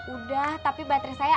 udah tapi baterai saya